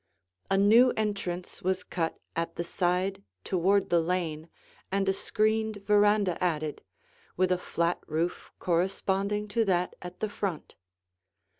A new entrance was cut at the side toward the lane, and a screened veranda added, with a flat roof corresponding to that at the front.